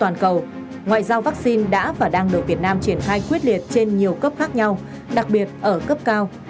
ngoại giao vaccine đã và đang được việt nam triển khai quyết liệt trên nhiều cấp khác nhau đặc biệt ở cấp cao